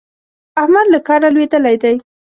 احمد له کاره لوېدلی دی.